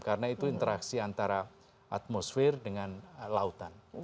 karena itu interaksi antara atmosfer dengan lautan